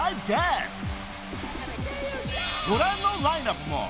［ご覧のラインアップも。